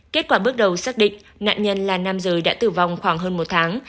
kết quả bước đầu xác định nạn nhân là nam giới đã tử vong khoảng hơn một tháng